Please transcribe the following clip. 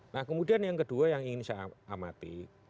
nah kemudian yang kedua yang ingin saya amati